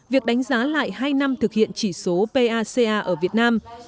việc đánh giá lại hai năm thực hiện chỉ số paca ở việt nam